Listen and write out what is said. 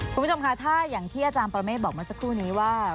คุณผู้ชมค่ะถ้าอย่างที่อาจารย์ปรเมฆบอกเมื่อสักครู่นี้ว่า